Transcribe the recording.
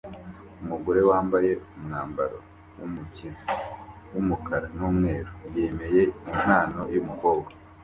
Umugore wambaye umwambaro wumukiza wumukara numweru yemeye impano yumukobwa